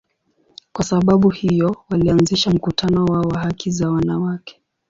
Kwa sababu hiyo, walianzisha mkutano wao wa haki za wanawake.